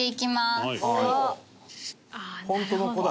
「フォントの子だ。